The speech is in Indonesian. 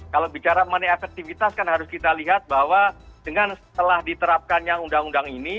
kalau bicara mengenai efektivitas kan harus kita lihat bahwa dengan setelah diterapkannya undang undang ini